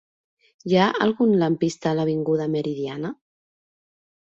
Hi ha algun lampista a l'avinguda Meridiana?